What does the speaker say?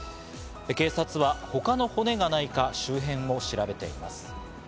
警察は他の骨がないか周辺を調べています。